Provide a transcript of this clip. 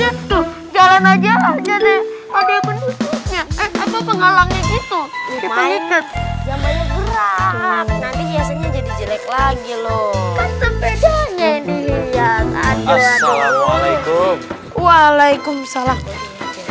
nanti biasanya jadi jelek lagi loh pedangnya dihias aduh assalamualaikum waalaikumsalam